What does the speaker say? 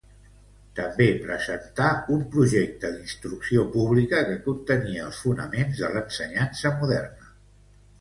També presentà un projecte d'instrucció pública que contenia els fonaments de l'ensenyança moderna.